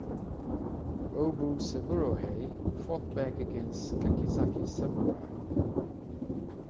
Obu Saburohei fought back against Kakizaki's samurai.